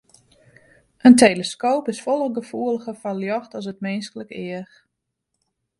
In teleskoop is folle gefoeliger foar ljocht as it minsklik each.